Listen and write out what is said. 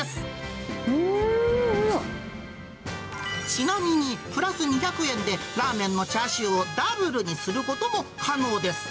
ちなみに、プラス２００円でラーメンのチャーシューをダブルにすることも可能です。